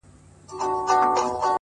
چي كورنۍ يې؛